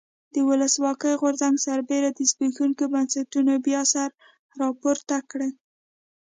د ولسواکۍ غورځنګ سربېره زبېښونکي بنسټونه بیا سر راپورته کړي.